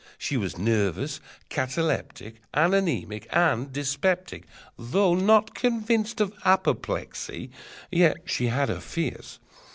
She was nervous, cataleptic, And anemic, and dyspeptic: Though not convinced of apoplexy, yet she had her fears.